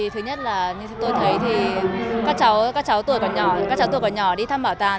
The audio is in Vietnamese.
thứ nhất là tôi thấy các cháu tuổi còn nhỏ đi thăm bảo tàng